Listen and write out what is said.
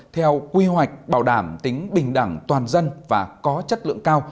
theo quy hoạch bảo đảm tính bình đẳng toàn dân và có chất lượng cao